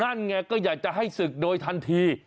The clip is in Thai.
นั่นไงก็อยากจะให้ศึกโดยทันที